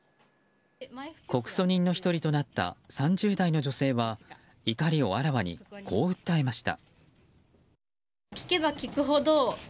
告訴人の１人となった３０代の女性は怒りをあらわに、こう訴えました。